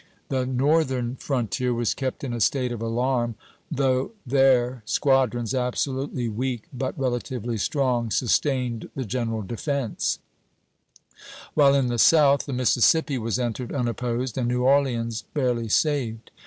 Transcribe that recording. The Northern frontier was kept in a state of alarm, though there squadrons, absolutely weak but relatively strong, sustained the general defence; while in the South the Mississippi was entered unopposed, and New Orleans barely saved.